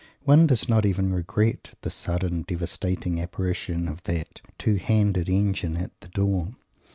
One does not even regret the sudden devastating apparition of that "two handed engine at the door."